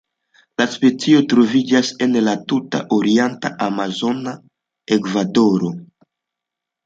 La specio troviĝas en la tuta orienta amazona Ekvadoro.